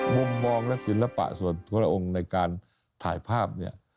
มุมมองและศิลปะส่วนธุระองค์ในการถ่ายภาพเนี่ย